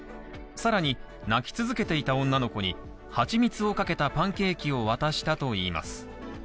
更に、泣き続けていた女の子にはちみつをかけたパンケーキを渡したといいます。